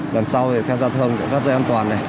lần sau tham gia giao thông